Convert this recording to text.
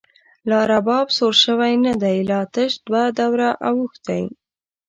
لا رباب سور شوی نه دی، لا تش دوه دوره او ښتی